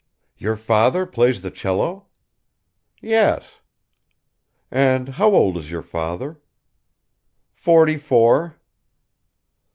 "Your father plays the cello?" "Yes." "And how old is your father?" "Forty four."